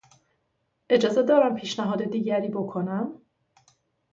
اجازه دارم پیشنهاد دیگری بکنم؟